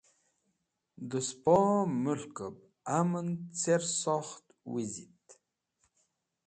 Dẽ sẽpo mulkẽb amn cersokht wizit?